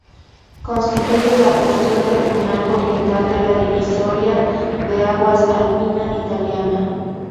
Constituyen la porción terminal oriental de la divisoria de aguas alpina italiana.